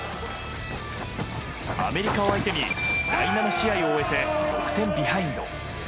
アメリカを相手に第７試合を終えて６点ビハインド。